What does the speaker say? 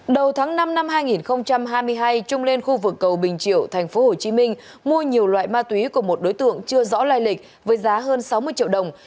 đầu tháng năm năm hai nghìn hai mươi hai trung lên khu vực cầu bình triệu thành phố hồ chí minh mua nhiều loại ma túy của một đối tượng chưa rõ lai lịch với giá hơn sáu mươi triệu đồng